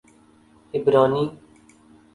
عبرانی